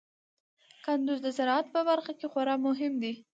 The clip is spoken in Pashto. کندز د زراعت په برخه کې خورا مهم دی.